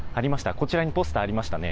こちらにポスターありましたね。